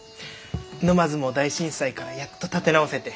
沼津も大震災からやっと立て直せて。